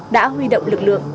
đã huy động lực lượng